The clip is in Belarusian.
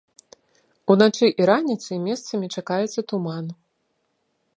Уначы і раніцай месцамі чакаецца туман.